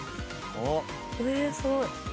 えっすごい。